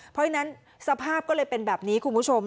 เพราะฉะนั้นสภาพก็เลยเป็นแบบนี้คุณผู้ชม